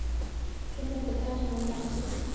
村中的大姓为樊氏。